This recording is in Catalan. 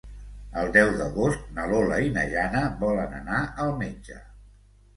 El deu d'agost na Lola i na Jana volen anar al metge.